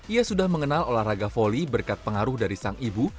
ia sudah mengenal olahraga volley berkat pengaruh dari sang ibu